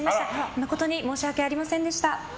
誠に申し訳ありませんでした。